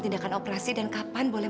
tindakan operasi dan kapan boleh